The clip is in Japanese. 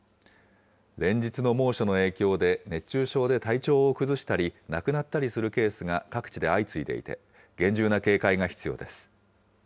連日の猛暑の影響で、熱中症で体調を崩したり、亡くなったりするケースが各地で相次いでいて、厳重な警戒が必要です。